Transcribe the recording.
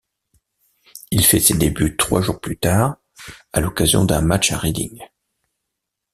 Il fait ses débuts trois jours plus tard à l'occasion d'un match à Reading.